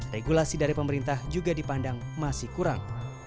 regulasi dari pemerintah juga dipandang masih kurang